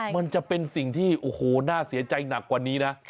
มันจะเป็นสิ่งที่โอ้โหน่าเสียใจหนักกว่านี้นะ